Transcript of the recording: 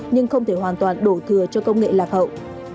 nhưng không thể hoàn toàn đổ thừa cho công nghệ lạc hậu